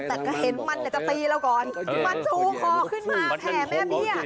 แต่มันก็เห็นว่าจะตีเหล้าก่อนมันทูขอขึ้นมาแผ่แม่เบี้ย